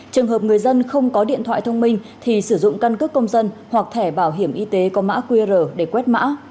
trường hợp người dân không có điện thoại thông minh thì sử dụng căn cước công dân hoặc thẻ bảo hiểm y tế có mã qr để quét mã